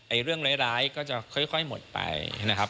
เรื่องร้ายก็จะค่อยหมดไปนะครับ